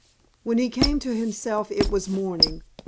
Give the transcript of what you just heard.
When he came to himself it was morning.